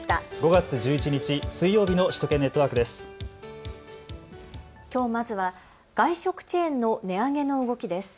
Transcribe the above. ５月１１日水曜日の首都圏ネットワークです。